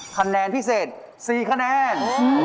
คะแนนพิเศษ๔คะแนน